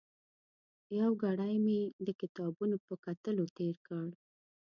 یو ګړی مې د کتابونو په کتلو تېر کړ.